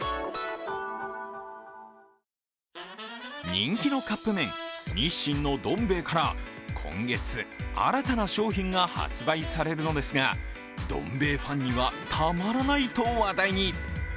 人気のカップ麺、日清のどん兵衛から今月、新たな商品が発売されるのですがどん兵衛ファンにはたまらないと話題に。